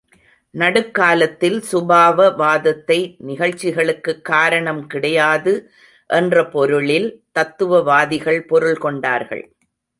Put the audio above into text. நடுக்காலத்தில் சுபாவவாதத்தை, நிகழ்ச்சிகளுக்குக் காரணம் கிடையாது என்ற பொருளில் தத்துவவாதிகள் பொருள் கொண்டார்கள்.